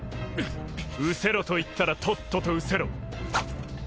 うせろと言ったらとっととうせろ。